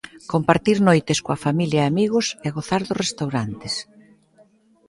Compartir noites coa familia e amigos e gozar dos restaurantes.